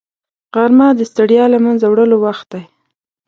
غرمه د ستړیا له منځه وړلو وخت دی